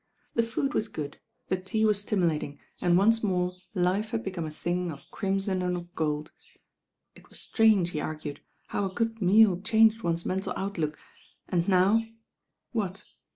The food was good, the tea was stimulating, and once more life had become a thing of crimson and of gold. It was strange, he argued, how a good meal changed one's mental outlook, and now — what?